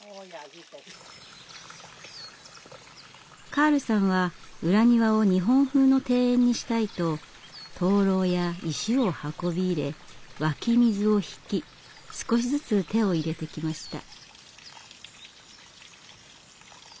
カールさんは裏庭を日本風の庭園にしたいと灯籠や石を運び入れ湧き水を引き少しずつ手を入れてきました。